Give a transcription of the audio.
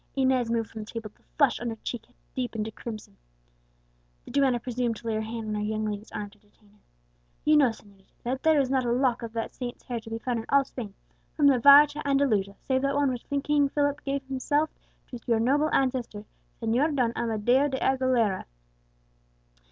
Inez moved from the table; the flush on her cheek had deepened to crimson. The duenna presumed to lay her hand on her young lady's arm to detain her. "You know, señorita, that there is not a lock of that saint's hair to be found in all Spain, from Navarre to Andalusia, save that one which King Philip himself gave to your noble ancestor, Señor Don Amadeo de Aguilera."